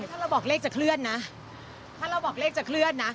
ถ้าเราบอกเลขจะเคลื่อนนะ